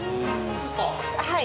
はい。